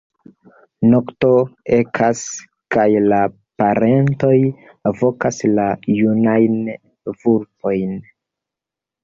Nokto ekas, kaj la parentoj vokas la junajn vulpojn.